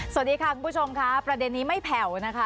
สวัสดีค่ะคุณผู้ชมค่ะประเด็นนี้ไม่แผ่วนะคะ